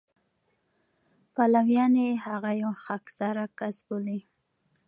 پلویان یې هغه یو خاکساره کس بولي.